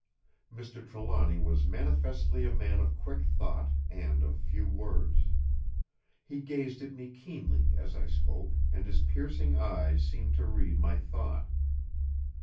Mr. Trelawny was manifestly a man of quick thought, and of few words. He gazed at me keenly as I spoke, and his piercing eyes seemed to read my thought.